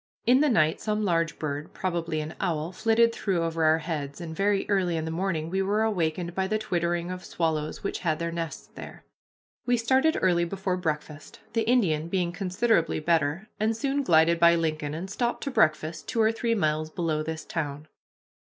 In the night some large bird, probably an owl, flitted through over our heads, and very early in the morning we were awakened by the twittering of swallows which had their nests there. We started early before breakfast, the Indian being considerably better, and soon glided by Lincoln, and stopped to breakfast two or three miles below this town.